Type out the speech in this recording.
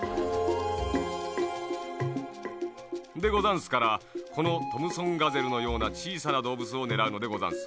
でござんすからこのトムソンガゼルのようなちいさなどうぶつをねらうのでござんす。